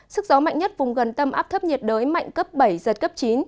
sức gió mạnh nhất vùng gần tâm áp thấp nhiệt đới mạnh cấp bảy giật cấp chín